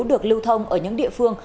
được lưu thông ở những địa phương